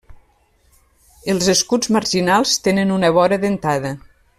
Els escuts marginals tenen una vora dentada.